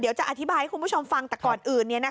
เดี๋ยวจะอธิบายให้คุณผู้ชมฟังแต่ก่อนอื่น